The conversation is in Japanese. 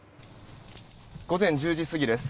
午前１０時過ぎです。